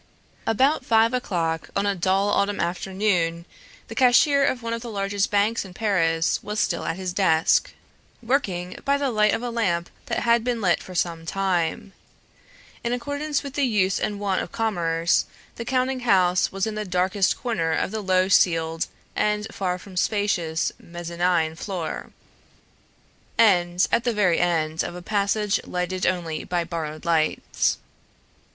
About five o'clock, on a dull autumn afternoon, the cashier of one of the largest banks in Paris was still at his desk, working by the light of a lamp that had been lit for some time. In accordance with the use and wont of commerce, the counting house was in the darkest corner of the low ceiled and far from spacious mezzanine floor, and at the very end of a passage lighted only by borrowed lights.